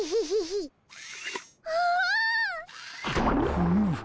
フム！